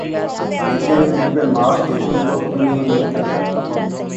لیکن ان پہ ناچ دیکھنے کو کیوں نہیں ملتے؟